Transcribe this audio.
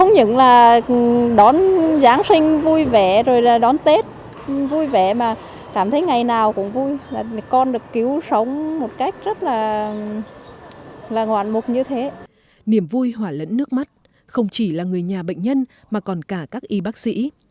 nhiệm vui hỏa lẫn nước mắt không chỉ là người nhà bệnh nhân mà còn cả các y bác sĩ